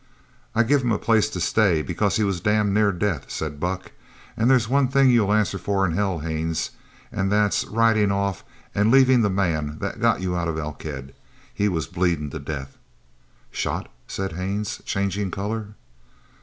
"I give him a place to stay because he was damned near death," said Buck. "An' there's one thing you'll answer for in hell, Haines, an' that's ridin' off an' leavin' the man that got you out of Elkhead. He was bleedin' to death." "Shot?" said Haines, changing colour.